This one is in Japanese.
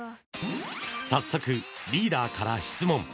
早速リーダーから質問。